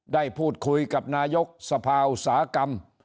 ได้พูดคุยกับนายกสภาอุตสาหกรรม